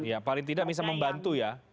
ya paling tidak bisa membantu ya